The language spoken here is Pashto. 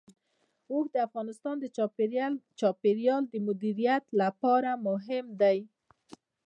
اوښ د افغانستان د چاپیریال د مدیریت لپاره مهم دي.